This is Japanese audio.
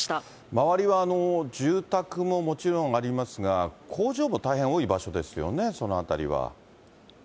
周りは住宅ももちろんありますが、工場も大変多い場所ですよね、その辺りは。